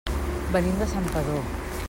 Venim de Santpedor.